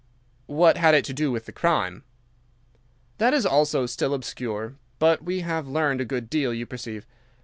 "But what had it to do with the crime?" "That, also, is still obscure. But we have learned a good deal, you perceive.